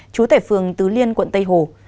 chú tể phường tứ liên quận tây hồ